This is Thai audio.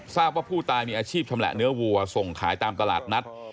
ทราบว่าผู้ตายมีอาชีพชำแหละเนื้อวัวส่งขายตามตลาดนัด